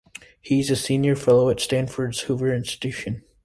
He is a senior fellow at Stanford's Hoover Institution.